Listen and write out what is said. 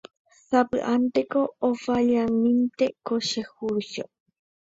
sapy'ánteko ofallamimiete ko che juicio